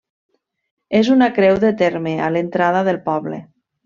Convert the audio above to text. És una creu de terme a l'entrada del poble.